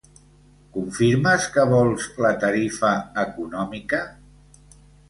Confirmes que vols la tarifa econòmica?